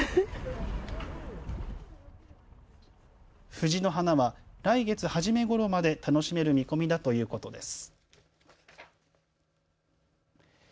藤の花は来月初めごろまで楽しめる見込みだということです。